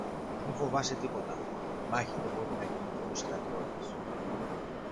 Μη φοβάσαι τίποτα, μάχη δεν μπορεί να γίνει χωρίς στρατιώτες